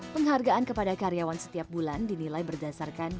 penghargaan kepada karyawan setiap bulan dinilai berdasarkan